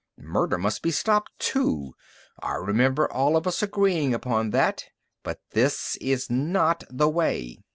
"Murder must be stopped, too. I remember all of us agreeing upon that. But this is not the way!"